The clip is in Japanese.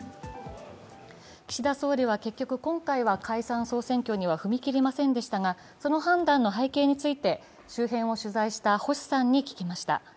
岸田総理は結局、今回は解散総選挙には踏み切りませんでしたが、その判断の背景について、周辺を取材した星さんに聞きました。